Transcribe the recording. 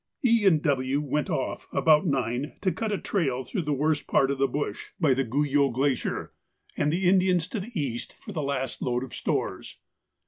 _—E. and W. went off about nine to cut a trail through the worst part of the bush by the Guyot Glacier, and the Indians to E for the last load of stores.